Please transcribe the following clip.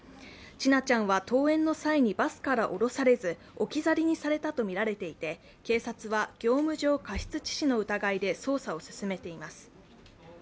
千奈ちゃんは登園の際にバスから降ろされず置き去りにされたとみられていて、警察は業務上過失致死の疑いで捜査を進めています。